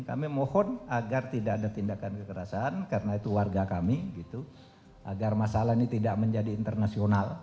kami mohon agar tidak ada tindakan kekerasan karena itu warga kami agar masalah ini tidak menjadi internasional